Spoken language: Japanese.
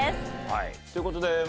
はいという事で。